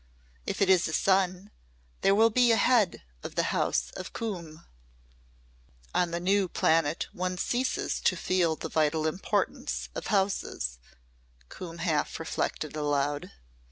If it is a son there will be a Head of the House of Coombe." "On the new planet one ceases to feel the vital importance of 'houses,'" Coombe half reflected aloud.